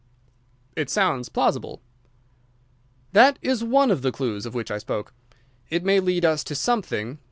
"It sounds plausible." "That is one of the clues of which I spoke. It may lead us to something.